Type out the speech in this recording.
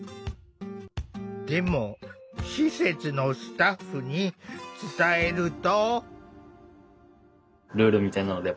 でも施設のスタッフに伝えると。